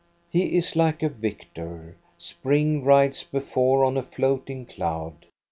He is like a victor. Spring rides before on a float ing cloud.